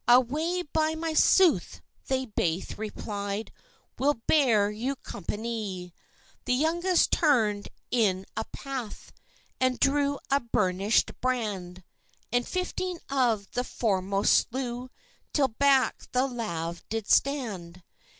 "Ay, by my sooth!" they baith replied, "We'll bear you companye." The youngest turn'd him in a path, And drew a burnish'd brand, And fifteen of the foremost slew, Till back the lave did stand.